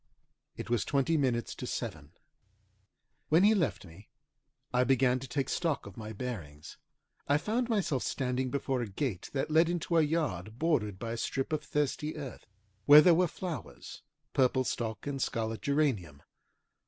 It was twenty minutes to seven. When he left me I began to take stock of my bearings. I found myself standing before a gate that led into a yard bordered by a strip of thirsty earth, where there were flowers, purple stock and scarlet geranium.